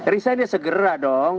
resign ya segera dong